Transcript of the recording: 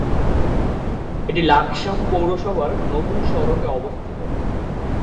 এটি লাকসাম পৌরসভার নতুন সড়কে অবস্থিত।